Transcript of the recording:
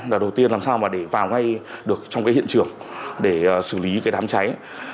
đầu tiên làm sao để vào ngay được trong hiện trường để xử lý đám cháy